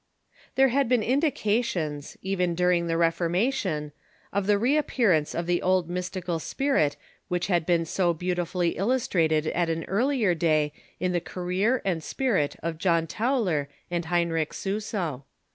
] There had been indications, even during the Reformation, of the reappearance of the old mystical spirit which had been so beautifully illustrated at an earlier day in the career pin ua and spirit of John Tauler and Heinrieh Suso.